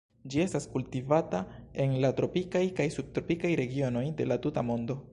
Ĝi estas kultivata en la tropikaj kaj subtropikaj regionoj de la tuta mondo.